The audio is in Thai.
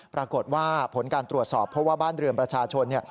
ปรากฏว่าผลการตรวจสอบเพราะว่าบ้านเรือนประชาชน